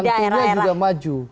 anak dan mantunya juga maju